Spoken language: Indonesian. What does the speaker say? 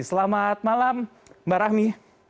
selamat malam mbak rahmi